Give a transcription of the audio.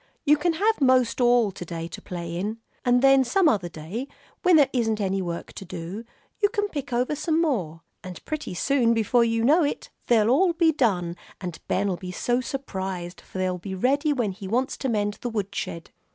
"You can have most all to day to play in. And then some other day, when there isn't any other work to do, you can pick over some more; and pretty soon, before you know it, they'll all be done, and Ben'll be so surprised, for they'll be ready when he wants to mend the woodshed."